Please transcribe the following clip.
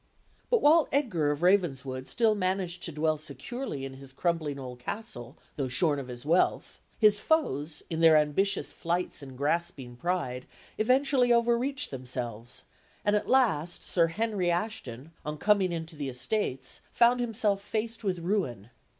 But whilst Edgar of Ravenswood still managed to dwell securely in his crumbling old castle, though shorn of his wealth, his foes, in their ambitious flights and grasping pride, eventually overreached themselves; and at last, Sir Henry Ashton, on coming into the estates, found himself faced with ruin.